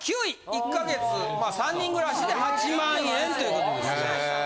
１か月３人暮らしで８万円ということですね。